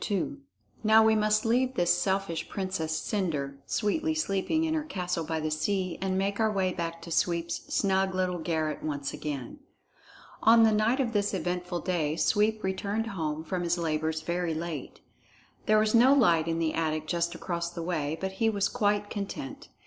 II Now we must leave this selfish Princess Cendre sweetly sleeping in her castle by the sea and make our way back to Sweep's snug little garret once again. On the night of this eventful day Sweep returned home from his labors very late. There was no light in the attic just across the way, but he was quite content.